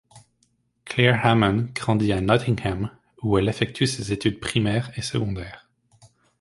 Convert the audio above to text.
Clare Hammond grandit à Nottingham où elle effectue ses études primaires et secondaires.